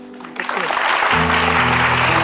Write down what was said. สวัสดีครับ